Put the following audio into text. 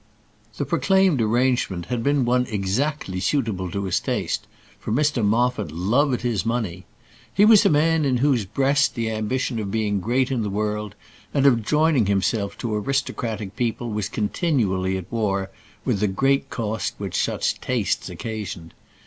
The proclaimed arrangement had been one exactly suitable to his taste; for Mr Moffat loved his money. He was a man in whose breast the ambition of being great in the world, and of joining himself to aristocratic people was continually at war with the great cost which such tastes occasioned.